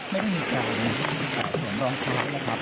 ไม่ต้องมีใจเดินขึ้นไปสวนล้อมไทรนะครับ